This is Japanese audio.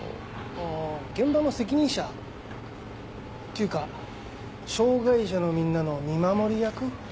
あ現場の責任者っていうか障がい者のみんなの見守り役？